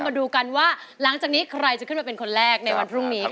มาดูกันว่าหลังจากนี้ใครจะขึ้นมาเป็นคนแรกในวันพรุ่งนี้ค่ะ